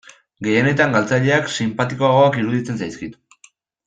Gehienetan galtzaileak sinpatikoagoak iruditzen zaizkit.